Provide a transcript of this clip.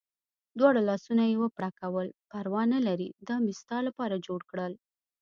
دواړه لاسونه یې و پړکول، پروا نه لرې دا مې ستا لپاره جوړ کړل.